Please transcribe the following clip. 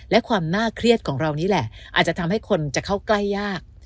และความน่าเครียดของเรานี่แหละอาจจะทำให้คนจะเข้าใกล้ยาก